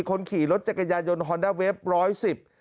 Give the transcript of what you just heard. คนขี่รถจักรยายนฮอนดาเวฟ